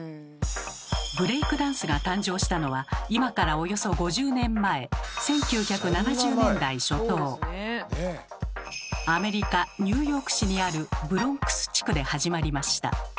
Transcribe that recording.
「ブレイクダンス」が誕生したのは今からおよそ５０年前アメリカニューヨーク市にあるブロンクス地区で始まりました。